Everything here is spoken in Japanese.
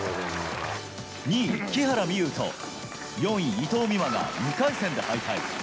２位、木原美悠と４位、伊藤美誠が２回戦で敗退。